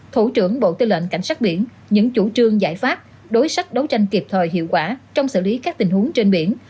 thủ trưởng bộ tư lệnh cảnh sát biển những chủ trương giải pháp đối sách đấu tranh kịp thời hiệu quả trong xử lý các tình huống trên biển